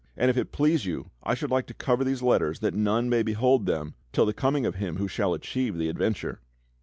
And if it please you I should like to cover these letters that none may behold them till the coming of him who shall achieve the adventure."